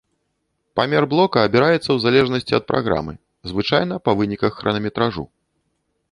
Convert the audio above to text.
Памер блока абіраецца ў залежнасці ад праграмы, звычайна па выніках хронаметражу.